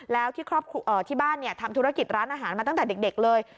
แล้วที่บ้านทำธุรกิจร้านอาหารมาตั้งแต่เด็กเลย